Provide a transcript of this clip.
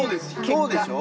そうでしょ？